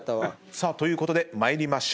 さあということで参りましょう。